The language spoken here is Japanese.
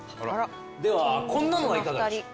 ではこんなのはいかがでしょう？